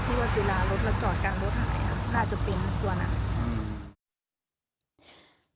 ว่าเวลารถเราจอดกลางรถหายน่าจะเป็นตัวนั้นอืม